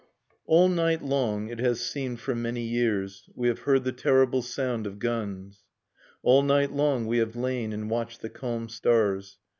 All night long, it has seemed for many years, We have heard the terrible sound of guns. All night long we have lain and watched the calm stars.